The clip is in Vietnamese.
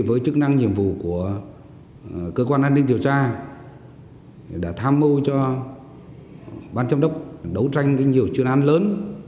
với chức năng nhiệm vụ của cơ quan an ninh điều tra đã tham mưu cho ban châm đốc đấu tranh với nhiều chuyên an lớn